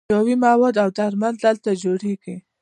کیمیاوي مواد او درمل دلته جوړیږي.